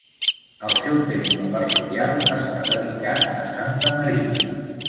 El seu temple parroquial està dedicat a Santa Marina.